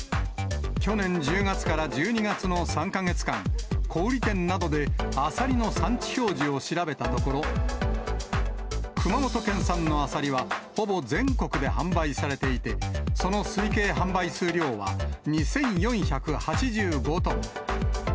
去年１０月から１２月の３か月間、小売り店などでアサリの産地表示を調べたところ、熊本県産のアサリは、ほぼ全国で販売されていて、その推計販売数量は２４８５トン。